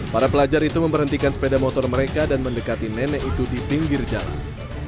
para pelajar itu memberhentikan sepeda motor mereka dan mendekati nenek itu di pinggir jalan